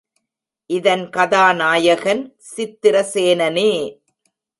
இதன் கதாநாயகன், சித்திரசேனனே.